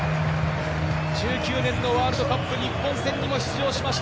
１９年のワールドカップ日本戦にも出場しました